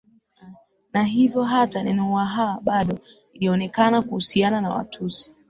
Na hivyo hata neno Waha bado lilionekana kuhusiana na Watusi